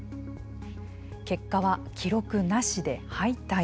結果は、記録なしで敗退。